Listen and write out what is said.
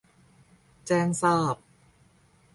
แจ้งทราบ